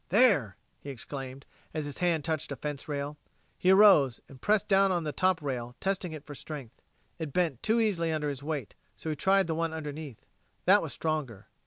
"There!" he exclaimed, as his hand touched a rail fence. He arose and pressed down on the top rail, testing it for strength. It bent too easily under his weight, so he tried the one underneath. That was stronger.